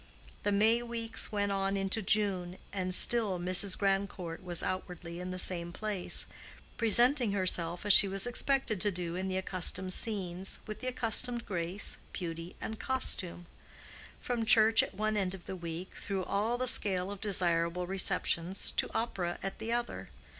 The May weeks went on into June, and still Mrs. Grandcourt was outwardly in the same place, presenting herself as she was expected to do in the accustomed scenes, with the accustomed grace, beauty, and costume; from church at one end of the week, through all the scale of desirable receptions, to opera at the other.